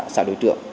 xã đội trưởng